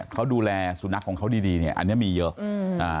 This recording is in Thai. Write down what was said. เขาดูแลสุนัขของเขาดีอันนี้มีเยอะ